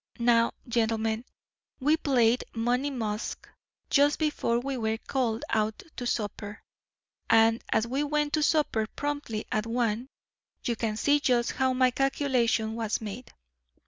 Now, gentlemen, we played 'Money Musk' just before we were called out to supper, and as we went to supper promptly at one, you can see just how my calculation was made.